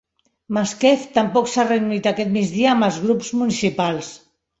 Masquef tampoc s'ha reunit aquest migdia amb els grups municipals.